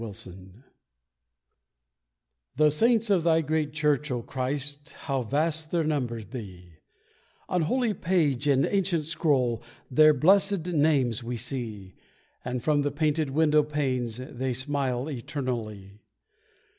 SAINTS The Saints of Thy great Church, 0 Christ, How vast their numbers be On holy page and ancient scroll Their blessed names we see, And from the painted window panes They smile eternally.